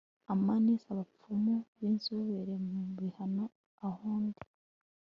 amans, abapfumu b'inzobere mu bihano aho ndi